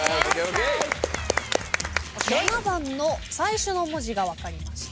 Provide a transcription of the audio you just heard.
７番の最初の文字が分かりました。